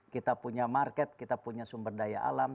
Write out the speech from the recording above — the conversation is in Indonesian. kita punya market kita punya sumber daya alam